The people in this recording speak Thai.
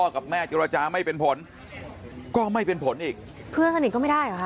กับแม่เจรจาไม่เป็นผลก็ไม่เป็นผลอีกเพื่อนสนิทก็ไม่ได้เหรอคะ